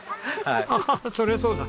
ああそりゃそうだ。